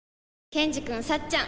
ケンジくんさっちゃん